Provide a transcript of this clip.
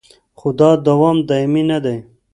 خو دا دوام دایمي نه دی